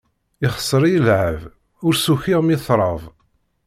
Ixser-iyi llɛeb, ur s-ukiɣ mi trab.